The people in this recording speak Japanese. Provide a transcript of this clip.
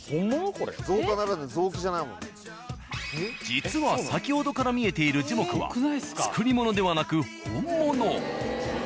実は先ほどから見えている樹木は作りものではなく本物。